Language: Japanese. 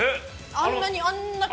あんなにあんな声。